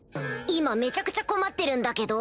今めちゃくちゃ困ってるんだけど